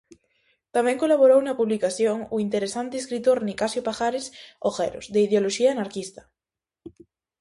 Tamén colaborou na publicación o interesante escritor Nicasio Pajares Ojeros, de ideoloxía anarquista.